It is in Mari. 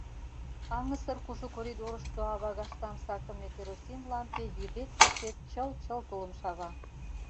Аҥысыр кужу коридорышто авагаштам! сакыме керосин лампе йӱдет-кечет чыл-чыл тулым шава.